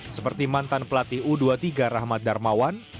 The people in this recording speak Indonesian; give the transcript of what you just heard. seperti mantan pelatih u dua puluh tiga rahmat darmawan